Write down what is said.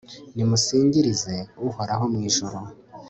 nimusingirize uhoraho mu ijuru